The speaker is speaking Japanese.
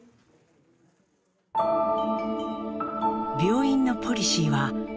病院のポリシーはう！